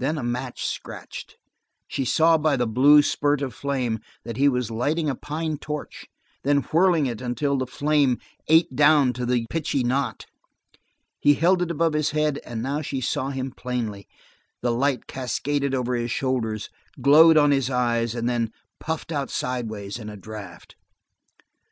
Then a match scratched she saw by the blue spurt of flame that he was lighting a pine torch, then whirling it until the flame ate down to the pitchy knot. He held it above his head, and now she saw him plainly: the light cascaded over his shoulders, glowed on his eyes, and then puffed out sidewise in a draught.